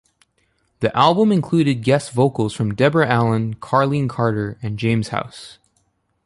The album included guest vocals from Deborah Allen, Carlene Carter, and James House.